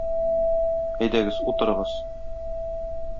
Әйдәгез, утырыгыз.